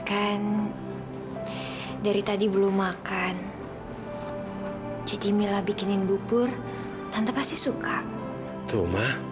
kan dari tadi belum makan jadi mila bikinin bubur tante pasti suka cuma